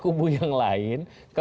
kubu yang lain